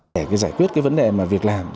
để giải quyết cái vấn đề mà việc làm